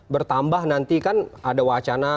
bertambah nanti kan ada wacana